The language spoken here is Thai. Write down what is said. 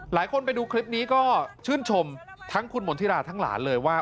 ไปดูคลิปนี้ก็ชื่นชมทั้งคุณมณฑิราทั้งหลานเลยว่า